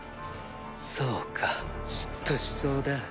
そうか嫉妬しそうだ。